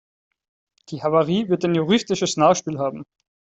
Die Havarie wird ein juristisches Nachspiel haben.